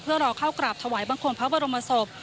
เพื่อรอเข้ากราบถวายบังคมพระบรมศพ